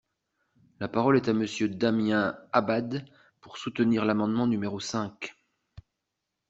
La parole est à Monsieur Damien Abad, pour soutenir l’amendement numéro cinq.